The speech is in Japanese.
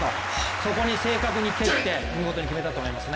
そこに正確に蹴って見事に決めたと思いますね。